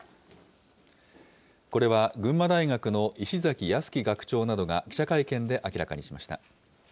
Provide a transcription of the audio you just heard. これは群馬大学の石崎泰樹学長などが記者会見で明らかにしました。